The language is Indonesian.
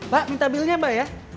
pak minta billnya mbak ya